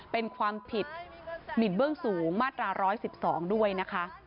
เป็นความผิดหมินเบื้องสูงมาตรา๑๑๒ด้วยนะคะ